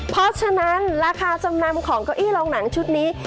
เพราะฉะนั้นราคาจำนำของเก้าอี้โรงหนังชุดนี้